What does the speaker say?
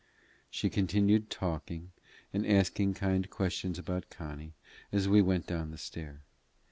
She continued talking and asking kind questions about Connie as we went down the stair.